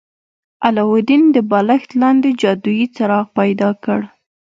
علاوالدین د بالښت لاندې جادويي څراغ پیدا کړ.